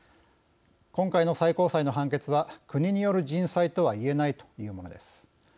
今回の最高裁の判決は国による人災とはいえないというものです。